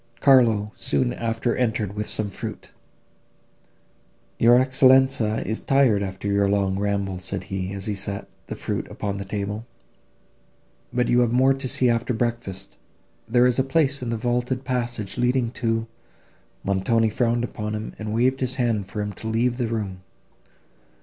Carlo soon after entered with some fruit: "Your Excellenza is tired after your long ramble," said he, as he set the fruit upon the table; "but you have more to see after breakfast. There is a place in the vaulted passage leading to—" Montoni frowned upon him, and waved his hand for him to leave the room.